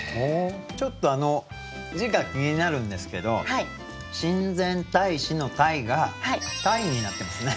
ちょっとあの字が気になるんですけど「親善大使」の「大」が「鯛」になってますね。